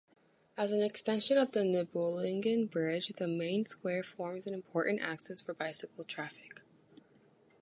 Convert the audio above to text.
As an extension of the Nibelungen Bridge, the main square forms an important axis for bicycle traffic.